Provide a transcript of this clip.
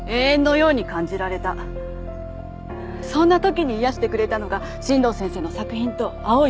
そんな時に癒やしてくれたのが新道先生の作品と青い鳥でした。